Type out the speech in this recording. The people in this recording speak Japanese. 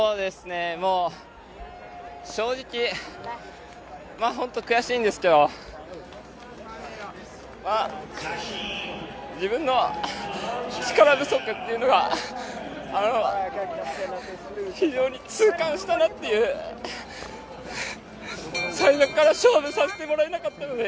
正直、悔しいんですけど自分の力不足っていうのが非常に痛感したなっていう最初から勝負させてもらえなかったので